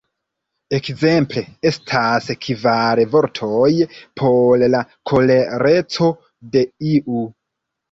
Ekzemple, estas kvar vortoj por la kolereco de iu